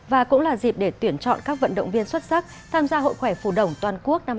và cũng là dịp để tuyển chọn các vận động viên xuất sắc tham gia hội khỏe phù đồng toàn quốc năm hai nghìn hai mươi bốn